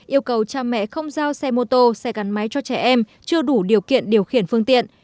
yêu cầu cha mẹ không giao xe mô tô xe gắn máy cho trẻ em chưa đủ điều kiện điều khiển phương tiện